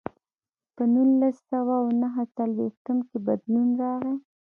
په نولس سوه او نهه څلوېښتم کې بدلون راغی.